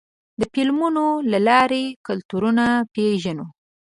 د فلمونو له لارې کلتورونه پېژنو.